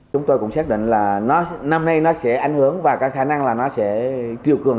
chúng tôi cũng xác định là năm nay nó sẽ ảnh hưởng và có khả năng là nó sẽ chiều cường